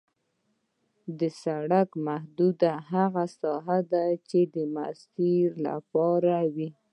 د سرک حدود هغه ساحه ده چې د مسیر لپاره وي